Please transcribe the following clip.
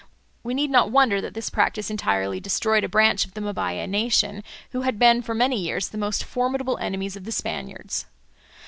We need not wonder that this practice entirely destroyed a branch of the Mbaya nation, who had been for many years the most formidable enemies of the Spaniards.